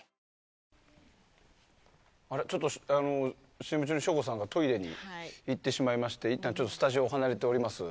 ＣＭ中に省吾さんがトイレに行ってしまっていったんスタジオを離れております。